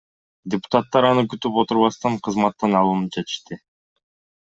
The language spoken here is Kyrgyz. Депутаттар аны күтүп отурбастан кызматтан алууну чечишти.